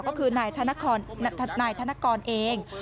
ก็คือนายธนกรนายธนกรเอง